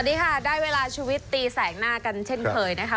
สวัสดีค่ะได้เวลาชุวิตตีแสกหน้ากันเช่นเคยนะคะ